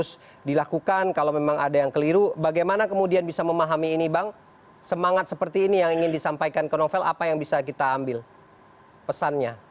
yang harus dilakukan kalau memang ada yang keliru bagaimana kemudian bisa memahami ini bang semangat seperti ini yang ingin disampaikan ke novel apa yang bisa kita ambil pesannya